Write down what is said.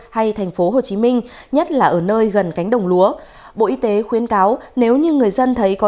hà tây tp hcm nhất là ở nơi gần cánh đồng lúa bộ y tế khuyến cáo nếu như người dân thấy có